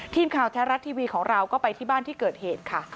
ทีมข่าวแท้รัฐทีวีของเราก็ไปที่บ้านที่เกิดเหตุค่ะ